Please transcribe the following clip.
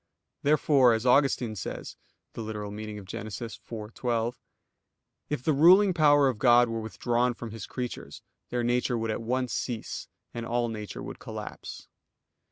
Therefore, as Augustine says (Gen. ad lit. iv, 12): "If the ruling power of God were withdrawn from His creatures, their nature would at once cease, and all nature would collapse."